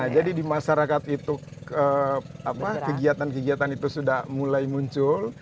jadi di masyarakat itu kegiatan kegiatan itu sudah mulai muncul